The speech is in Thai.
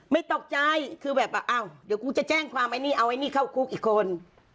ไม่ตกใจคือแบบว่าอ้าวเดี๋ยวกูจะแจ้งความไอ้นี่เอาไอ้นี่เข้าคุกอีกคน